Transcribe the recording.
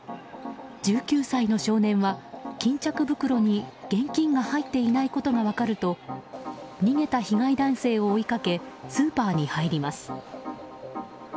１９歳の少年は巾着袋に現金が入っていないことが分かると逃げた被害男性を追いかけスーパーに入ります。